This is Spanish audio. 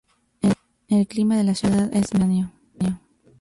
El clima de la ciudad es mediterráneo.